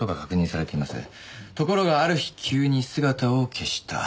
ところがある日急に姿を消した。